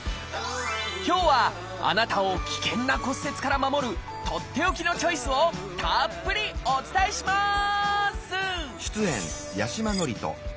今日はあなたを危険な骨折から守るとっておきのチョイスをたっぷりお伝えします！